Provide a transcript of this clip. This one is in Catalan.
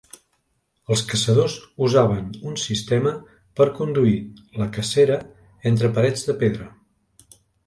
Els caçadors usaven un sistema per conduir la cacera entre parets de pedra.